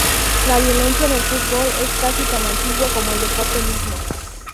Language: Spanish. La violencia en el fútbol es casi tan antigua como el deporte mismo.